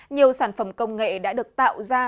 nhiều sản phẩm công nghệ đã được tạo ra